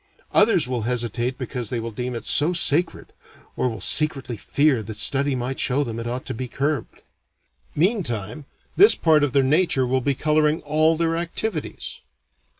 Others will hesitate because they will deem it so sacred, or will secretly fear that study might show them it ought to be curbed. Meantime, this part of their nature will be coloring all their activities.